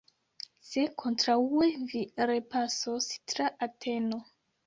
Se kontraŭe, vi repasos tra Ateno!